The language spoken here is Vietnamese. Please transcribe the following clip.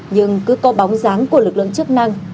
nhưng cứ có bóng dáng của lực lượng chức năng